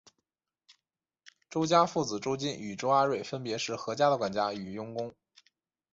周家父子周金与周阿瑞分别是何家的管家和佣工。